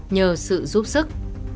nhờ sự giúp sức